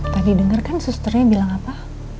tadi dengar kan susternya bilang apa